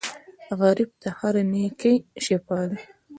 غریب ته هره نېکۍ شفاء ده